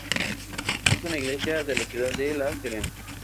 Es una iglesia de la ciudad de La Serena.